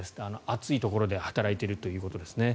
暑いところで働いているということですね。